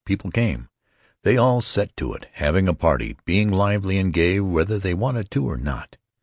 People came. They all set to it, having a party, being lively and gay, whether they wanted to or not.